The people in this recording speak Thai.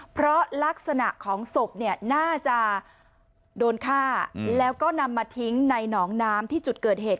เพราะลักษณะของศพเนี่ยน่าจะโดนฆ่าแล้วก็นำมาทิ้งในหนองน้ำที่จุดเกิดเหตุ